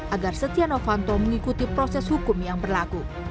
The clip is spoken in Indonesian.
agar setia novanto mengikuti proses hukum yang berlaku